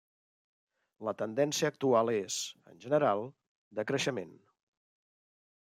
La tendència actual és, en general, de creixement.